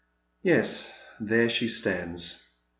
Yes, there she stands.